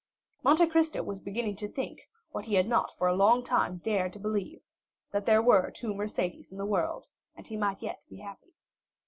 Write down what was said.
Monte Cristo was beginning to think, what he had not for a long time dared to believe, that there were two Mercédès in the world, and he might yet be happy.